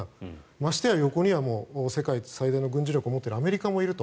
ましては横には世界で最大の軍事力を持っているアメリカもいると。